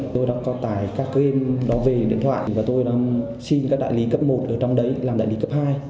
tôi đã có tải các game đó về điện thoại và tôi xin các đại lý cấp một ở trong đấy làm đại lý cấp hai